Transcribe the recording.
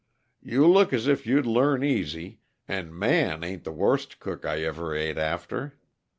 "You look as if you'd learn easy, and Man ain't the worst cook I ever ate after.